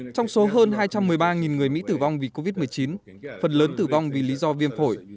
trong số hơn hai trăm một mươi ba người mỹ tử vong vì covid một mươi chín phần lớn tử vong vì lý do viêm phổi